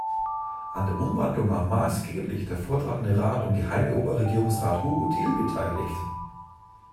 An der Umwandlung war maßgeblich der Vortragende Rat und Geheime Oberregierungsrat Hugo Thiel beteiligt.